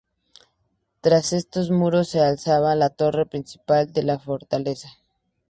Tras estos muros se alzaba la torre principal de la fortaleza.